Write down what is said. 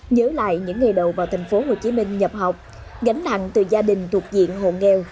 nhớ lại những ngày đầu vào tp hcm nhập học gánh nặng từ gia đình thuộc diện hồ nghèo